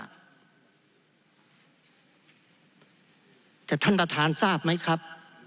แต่ท่านประธานทราบไหมครับ